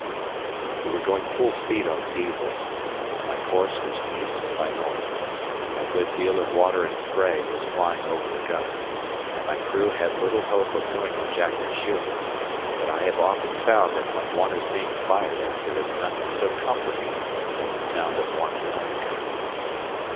We were going full speed on the Diesels, and my course was east by north. A good deal of water and spray was flying over the gun, and my crew had little hope of doing much accurate shooting, but I have often found that when one is being fired at there is nothing so comforting as the sound of one's own gun.